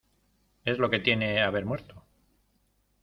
es lo que tiene haber muerto.